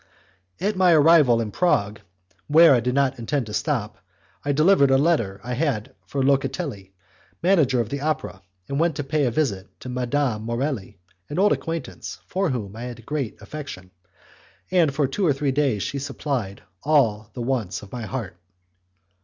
At my arrival in Prague, where I did not intend to stop, I delivered a letter I had for Locatelli, manager of the opera, and went to pay a visit to Madame Morelli, an old acquaintance, for whom I had great affection, and for two or three days she supplied all the wants of my heart.